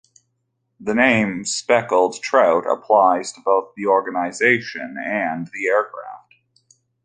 The name "Speckled Trout" applies to both the organization and the aircraft.